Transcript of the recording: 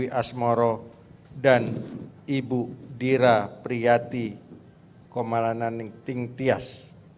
ibu adwi asmoro dan ibu dira priyati komalananing tingtyas